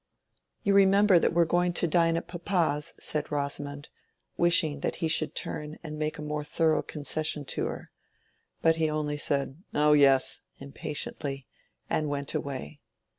"You remember that we are going to dine at papa's," said Rosamond, wishing that he should turn and make a more thorough concession to her. But he only said "Oh yes," impatiently, and went away.